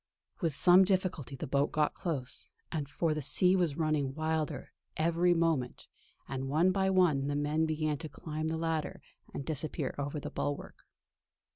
With some difficulty the boat got close, for the sea was running wilder every moment; and one by one the men began to climb the ladder and disappear over the bulwark.